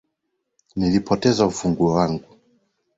Nilipoteza ufunguo wangu.